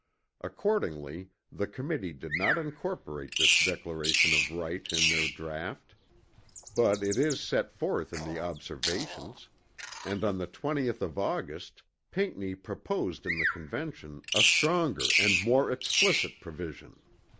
Accordingly the committee did not incorporate this declaration of right in their draught. But it is set forth in the Observations; and on the 20th of August Pinckney proposed in the Convention a stronger and more explicit provision.